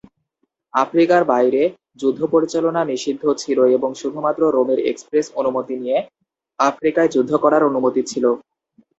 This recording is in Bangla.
আফ্রিকার বাইরে যুদ্ধ পরিচালনা নিষিদ্ধ ছিল এবং শুধুমাত্র রোমের এক্সপ্রেস অনুমতি নিয়ে আফ্রিকায় যুদ্ধ করার অনুমতি ছিল।